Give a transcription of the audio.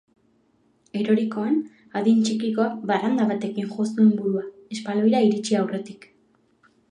Erorikoan, adin txikikoak baranda batekin jo zuen burua, espaloira iritsi aurretik.